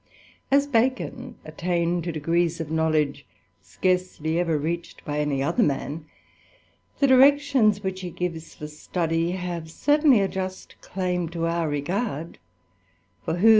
As Bacon attained to degrees of knowledge scarcely ever ^ined by any other man, the directions which he gives ^ study have certainly a just claim to our regard ; for who 228 THE ADVENTURER.